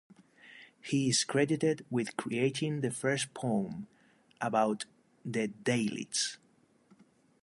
He is credited with creating the first poem about the Dalits.